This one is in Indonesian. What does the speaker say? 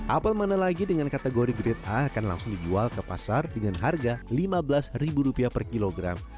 apel mana lagi dengan kategori grade a akan langsung dijual ke pasar dengan harga rp lima belas per kilogram